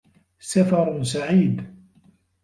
سَفَر سَعِيد!